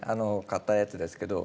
買ったやつですけど。